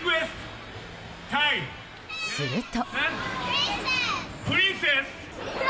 すると。